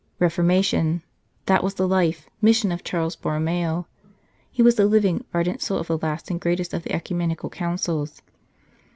Reformation that was the life mission of Charles Borromeo ; he was the living, ardent soul of the last and greatest of the (Ecumenical Councils.